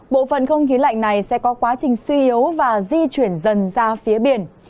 bản không khí lạnh này sẽ có quá trình suy yếu và di chuyển dần ra phía biển